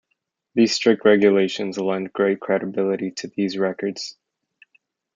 These strict regulations lend great credibility to these records.